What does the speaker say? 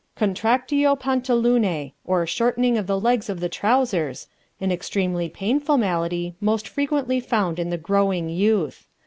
Contractio Pantalunae, or Shortening of the Legs of the Trousers, an extremely painful malady most frequently found in the growing youth.